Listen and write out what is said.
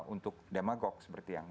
untuk demagog seperti yang